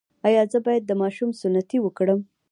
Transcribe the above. ایا زه باید د ماشوم سنتي وکړم؟